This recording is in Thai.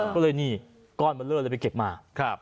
ก็เลยนี่ก้อนมันเลอร์เลยไปเก็บมา